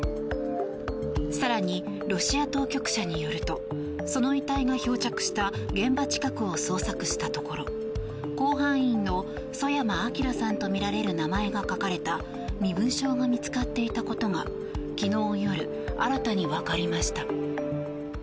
更に、ロシア当局者によるとその遺体が漂着した現場近くを捜索したところ甲板員の曽山聖さんとみられる名前が書かれた身分証が見つかっていたことが昨日夜、新たにわかりました。